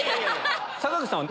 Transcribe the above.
坂口さんは？